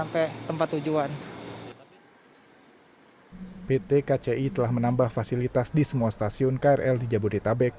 pt kci telah menambah fasilitas di semua stasiun krl di jabodetabek